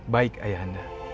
baik ayah anda